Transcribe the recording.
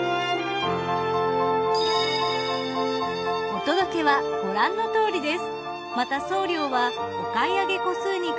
お届けはご覧のとおりです。